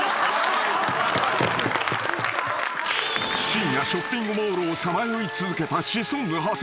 ［深夜ショッピングモールをさまよい続けたシソンヌ長谷川］